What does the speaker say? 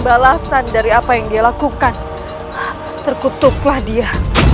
balasan dari apa yang dia lakukan terkutuklah dia